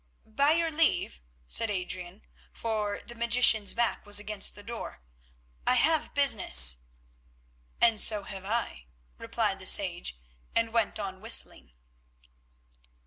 "By your leave," said Adrian, for the magician's back was against the door. "I have business——" "And so have I," replied the sage, and went on whistling.